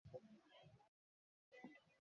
নড়লে গুলি করে তোর খুলি উড়িয়ে দেবো।